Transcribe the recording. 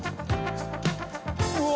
うわ。